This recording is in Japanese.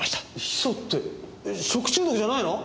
ヒ素って食中毒じゃないの？